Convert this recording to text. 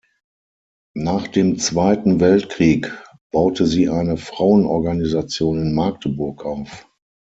Nach dem Zweiten Weltkrieg baute sie eine Frauenorganisation in Magdeburg auf.